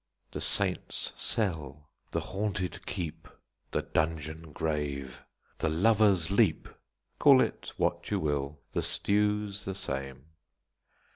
"The Saint's Cell," "The Haunted Keep," "The Dungeon Grave," "The Lover's Leap" call it what you will, the stew's the same.